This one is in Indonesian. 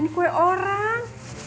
ini kue orang